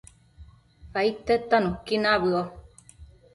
aidtedta nuqui nabëo